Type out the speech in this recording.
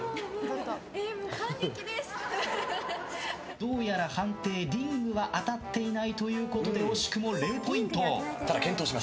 どうやら判定、リングは当たっていないということで惜しくも０ポイント。